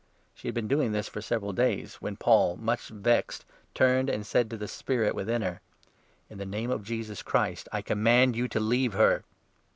She had been doing this for several days, when Paul, much 18 vexed, turned and said to the spirit within her :" In the Name of Jesus Christ I command you to leave her."